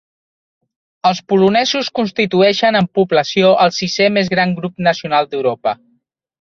Els polonesos constitueixen en població el sisè més gran grup nacional d'Europa.